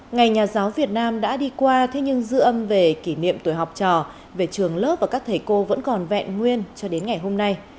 ngày nhà giáo việt nam đã đi qua thế nhưng dư âm về kỷ niệm tuổi học trò về trường lớp và các thầy cô vẫn còn vẹn nguyên cho đến ngày hôm nay